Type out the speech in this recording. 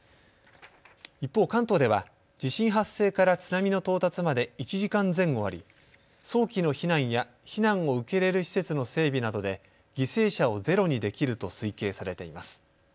一方、関東では地震発生から津波の到達まで１時間前後あり早期の避難や避難を受け入れる施設の整備などで犠牲者をゼロにできると推計されています。